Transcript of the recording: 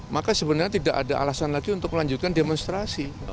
maka sebenarnya tidak ada alasan lagi untuk melanjutkan demonstrasi